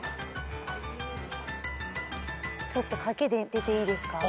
ちょっと賭けに出ていいですか？